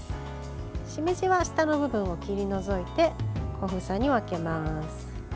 しめじは下の部分を切り除いて小房に分けます。